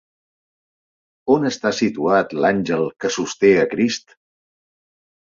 On està situat l'àngel que sosté a Crist?